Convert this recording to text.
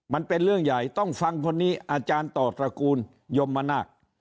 มันเป็นเรื่องใหญ่ต้องฟังคนนี้อาจารย์ต่อตระกูลยมนาค